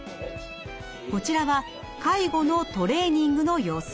こちらは介護のトレーニングの様子。